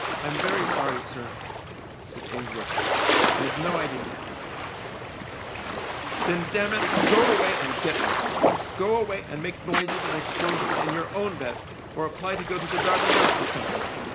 "I'm very sorry, sir," said Ainsworth. " I'd no idea "" Then, damn it, go away and get one. Go away and make noises and explosions in your own bed, or apply to go to the Dardanelles, or something.